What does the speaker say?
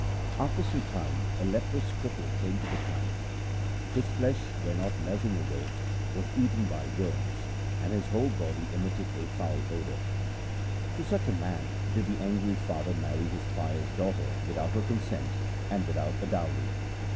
After some time a leprous cripple came to the town. His flesh, where not melting away, was eaten by worms, and his whole body emitted a foul odour. To such a man did the angry father marry his pious daughter without her consent and without a dowry.